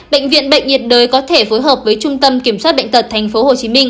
bệnh viện bệnh nhiệt đới có thể phối hợp với trung tâm kiểm soát bệnh tật tp hcm